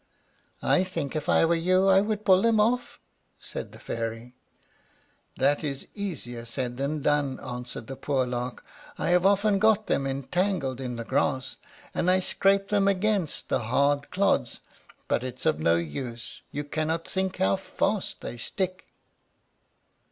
"I think, if I were you, I would pull them off," said the Fairy. "That is easier said than done," answered the poor Lark. "I have often got them entangled in the grass, and I scrape them against the hard clods; but it is of no use, you cannot think how fast they stick."